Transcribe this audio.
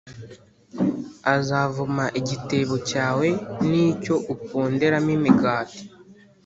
Azavuma igitebo cyawe n’icyo uponderamo imigati. “